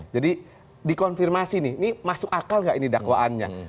jadi dikonfirmasi nih ini masuk akal gak ini dakwaannya